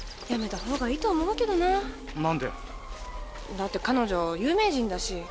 だって彼女有名人だし。